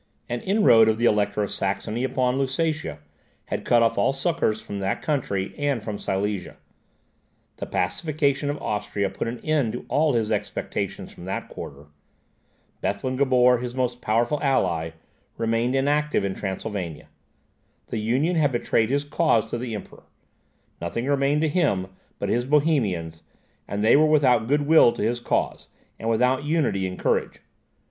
An inroad of the Elector of Saxony upon Lusatia, had cut off all succours from that country, and from Silesia; the pacification of Austria put an end to all his expectations from that quarter; Bethlen Gabor, his most powerful ally, remained inactive in Transylvania; the Union had betrayed his cause to the Emperor. Nothing remained to him but his Bohemians; and they were without goodwill to his cause, and without unity and courage.